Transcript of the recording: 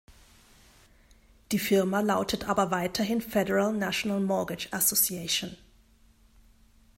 Die Firma lautet aber weiterhin Federal National Mortgage Association.